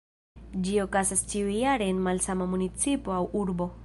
Ĝi okazas ĉiujare en malsama municipo aŭ urbo.